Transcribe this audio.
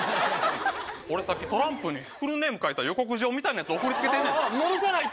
俺、さっきトランプにフルネーム書いた予告状みたいなやつ、送りつけ戻さないと。